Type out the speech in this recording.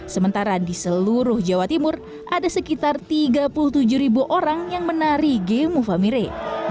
sementara di seluruh jawa timur ada sekitar tiga puluh tujuh ribu orang yang menari gemu famire